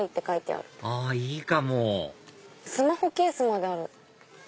あいいかもスマホケースまである。